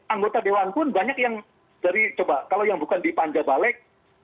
anggota dewan pun banyak yang dari coba kalau yang bukan di panja balik